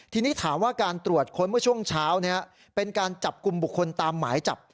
ทีนี้ถามว่าการตรวจค้นเมื่อช่วงเช้าเป็นการจับกลุ่มบุคคลตามหมายจับ